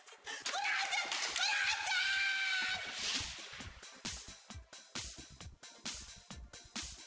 maaf saya juga mau keluar dari kantor ini